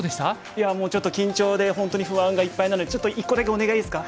いやもうちょっと緊張で本当に不安がいっぱいなのでちょっと１個だけお願いいいですか？